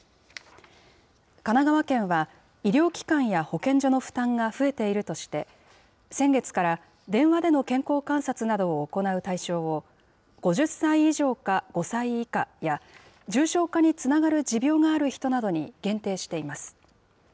神奈川県は医療機関や保健所の負担が増えているとして、先月から電話での健康観察などを行う対象を５０歳以上か５歳以下や、重症化につながる持病がある人などに限定しています。